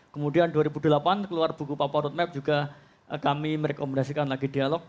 kemudian dua ribu delapan keluar buku papa roadmap juga kami merekomendasikan lagi dialog